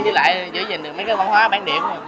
với lại giữ gìn được mấy cái văn hóa bán điểm